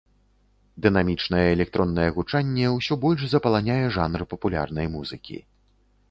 Дынамічнае электроннае гучанне ўсё больш запаланяе жанр папулярнай музыкі.